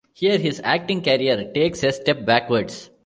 Here, his acting career takes a step backwards.